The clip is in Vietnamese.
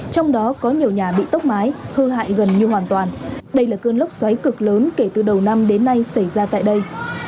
trong đó có nhiều nhà bị tốc mái hư hại gần như hoàn toàn đây là cơn lốc xoáy cực lớn kể từ đầu năm đến nay xảy ra tại đây